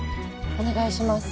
お願いします。